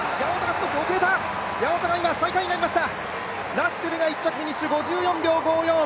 ラッセルが１着フィニッシュ、５４秒５４。